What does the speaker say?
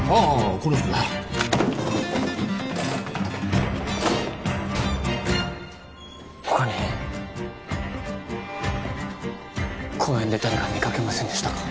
この人だ他に公園で誰か見かけませんでしたか？